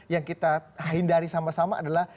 yang kita hindari sama sama adalah